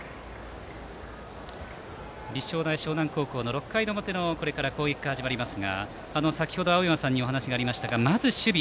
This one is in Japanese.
立正大淞南高校の６回表のこれから攻撃が始まりますが先程、青山さんからありましたがまずは守備。